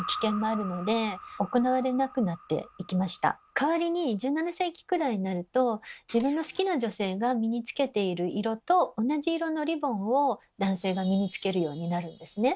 代わりに１７世紀くらいになると自分の好きな女性が身につけている色と同じ色のリボンを男性が身につけるようになるんですね。